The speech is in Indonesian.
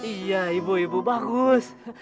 iya ibu ibu bagus